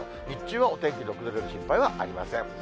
日中はお天気の崩れる心配はありません。